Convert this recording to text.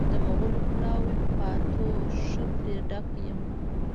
د مغلو پلاو پاتو ښه پرې ډک یم.